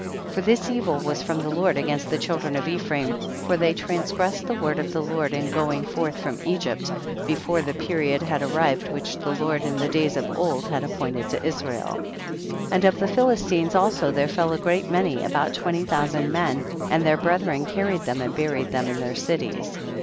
17. For this evil was from the Lord against the children of Ephraim, for they transgressed the word of the Lord in going forth from Egypt, be fore the period had arrived which the Lord in the days of old had ap pointed to Israel. 18. And of the Philistines also there fell a great many, about twen ty thousand men, and their brethren carried them and buried them in their cities.